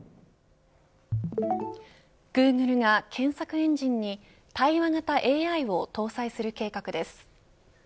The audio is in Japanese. グーグルが検索エンジンに対話型ＡＩを搭載する計画です。